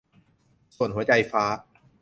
ส่วนหัวใจฟ้า